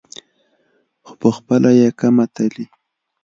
خو پخپله یې کمه تلي.